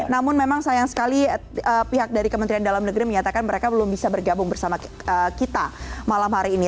namun memang sayang sekali pihak dari kementerian dalam negeri menyatakan mereka belum bisa bergabung bersama kita malam hari ini